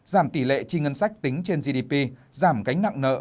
giảm tỷ lệ chi ngân sách tính trên gdp giảm cánh nặng nợ